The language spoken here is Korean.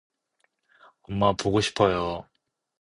엄마 보고 싶어요.